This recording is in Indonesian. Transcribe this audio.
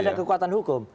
ada kekuatan hukum